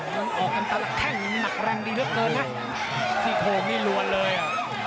ซิโทงนี่ลวนเลย